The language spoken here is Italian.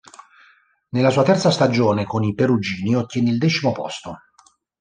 Nella sua terza stagione con i perugini ottiene il decimo posto.